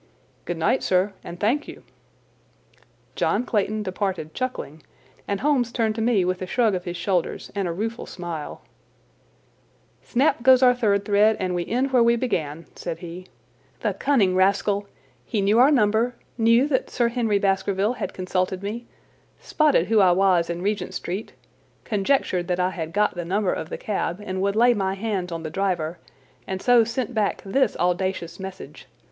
"Good night, sir, and thank you!" John Clayton departed chuckling, and Holmes turned to me with a shrug of his shoulders and a rueful smile. "Snap goes our third thread, and we end where we began," said he. "The cunning rascal! He knew our number, knew that Sir Henry Baskerville had consulted me, spotted who I was in Regent Street, conjectured that I had got the number of the cab and would lay my hands on the driver, and so sent back this audacious message.